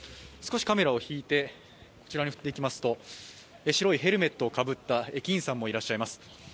少しカメラを引いてこちらに来ますと、白いヘルメットをかぶった駅員さんもいらっしゃいます。